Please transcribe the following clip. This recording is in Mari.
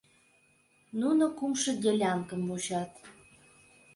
Нуно кумшо делянкым вучат.